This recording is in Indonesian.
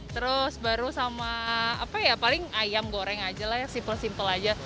terus baru sama apa ya paling ayam goreng aja lah yang simple simple aja